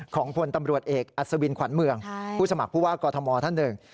ของพลตำรวจเอกอัศวินขวัญเมืองผู้สมัครผู้ว่ากอทมท่านหนึ่ง